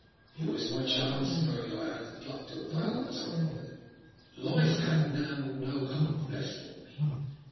Here was my chance if only I had the pluck to avail myself of it. Life had now no hope left for me.